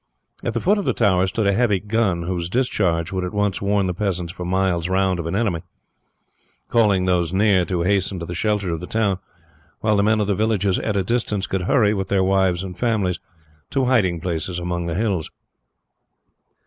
At the foot of the tower stood a heavy gun, whose discharge would at once warn the peasants for miles round of an enemy, calling those near to hasten to the shelter of the town, while the men of the villages at a distance could hurry, with their wives and families, to hiding places among the hills.